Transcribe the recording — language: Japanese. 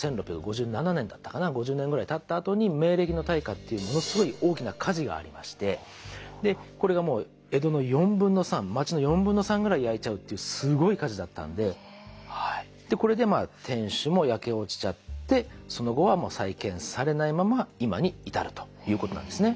５０年ぐらいたったあとに明暦の大火っていうものすごい大きな火事がありましてこれがもう江戸の４分の３まちの４分の３ぐらい焼いちゃうっていうすごい火事だったんでこれで天守も焼け落ちちゃってその後はもう再建されないまま今に至るということなんですね。